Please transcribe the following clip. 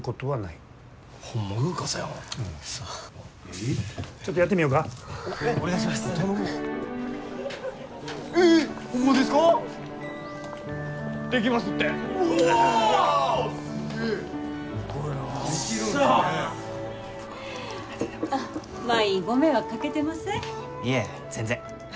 いえ全然。